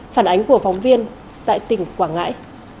phản ánh của phóng viên tại tỉnh quảng ngãi